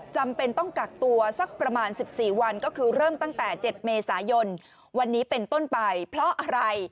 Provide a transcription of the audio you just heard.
จำเป็นต้องกักตัวสักประมาณ๑๔วันก็คือเริ่มตั้งแต่๗เมษายนวันนี้เป็นต้นไปเพราะอะไร